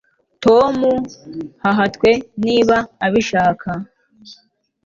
Tom на натwe nib abishaka